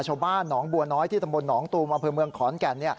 ชาวบ้านหนองบัวน้อยที่ตำบลหนองตูมอำเภอเมืองขอนแก่น